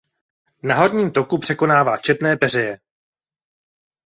Na horním toku překonává četné peřeje.